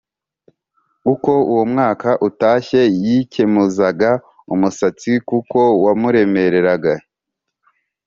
Uko umwaka utashye yikemuzaga umusatsi kuko wamuremereraga